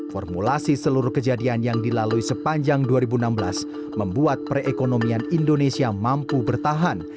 formulasi seluruh kejadian yang dilalui sepanjang dua ribu enam belas membuat perekonomian indonesia mampu bertahan